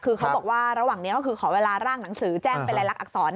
คือเขาบอกว่าระหว่างนี้ก็คือขอเวลาร่างหนังสือแจ้งเป็นรายลักษร